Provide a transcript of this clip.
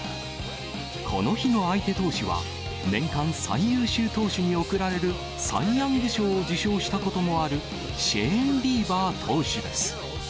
この日の相手投手は、年間最優秀投手に贈られる、サイ・ヤング賞を受賞したこともあるシェーン・ビーバー投手です。